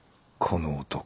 この男